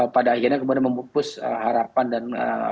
pada akhirnya kemudian memupus harapan dan